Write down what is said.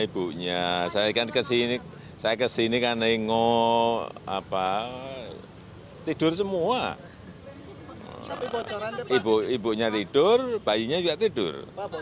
ibunya tidur bayinya juga tidur